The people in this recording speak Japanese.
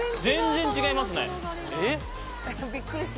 全然違いますね